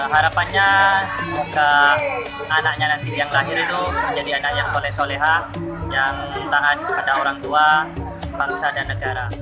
harapannya semoga anaknya nanti yang lahir itu menjadi anak yang soleh soleha yang tahan pada orang tua bangsa dan negara